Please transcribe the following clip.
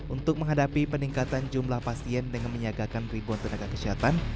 untuk menghadapi peningkatan jumlah pasien dengan menyiagakan ribuan tenaga kesehatan